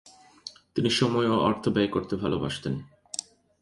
তিনি সময় ও অর্থ ব্যয় করতে ভালোবাসতেন।